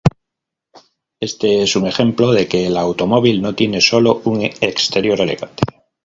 Este es un ejemplo de que el automóvil no tiene sólo un exterior elegante.